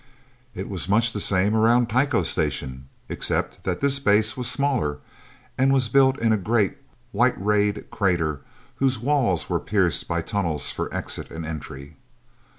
It was much the same around Tycho Station, except that this base was smaller, and was built in a great, white rayed crater, whose walls were pierced by tunnels for exit and entry.